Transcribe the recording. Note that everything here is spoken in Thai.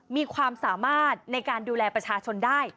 มีความสามารถในการดูแลประชาชนได้